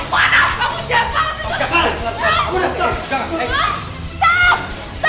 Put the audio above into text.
mona kamu jahat banget